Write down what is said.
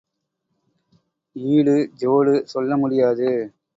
ஈடு ஜோடு சொல்ல முடியாது.